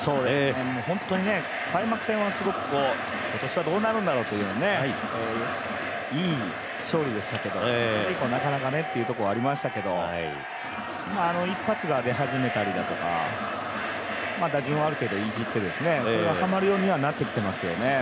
本当にね、開幕戦はすごく今年はどうなるんだろうといういい勝利でしたけど、それ以降なかなかというところがありましたけど、一発が出始めたりだとか打順はある程度いじってきてそれがはまるようにはなってきていますよね。